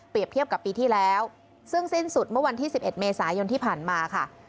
เทียบกับปีที่แล้วซึ่งสิ้นสุดเมื่อวันที่๑๑เมษายนที่ผ่านมาค่ะ